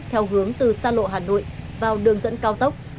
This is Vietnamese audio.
theo hướng từ xa lộ hà nội vào đường dẫn cao tốc